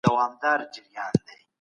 ټولنیز محصول د ټولني ګډه شتمني ده.